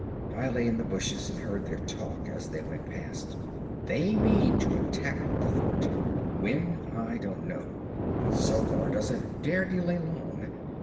I lay in the bushes and heard their talk as they went past. They mean to attack the fort; when, I don't know, but Zogar doesn't dare delay long.